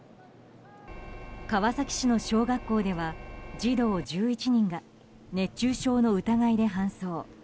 川崎市の小学校では児童１１人が熱中症の疑いで搬送。